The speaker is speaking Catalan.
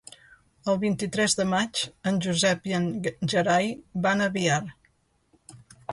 El vint-i-tres de maig en Josep i en Gerai van a Biar.